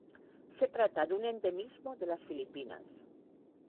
Se trata de un endemismo de las Filipinas.